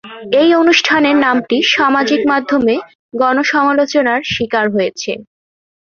এই অনুষ্ঠানের নামটি সামাজিক মাধ্যমে গণ সমালোচনার স্বীকার হয়েছে।